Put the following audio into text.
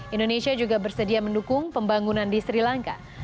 indonesia juga bersedia mendukung pembangunan di sri lanka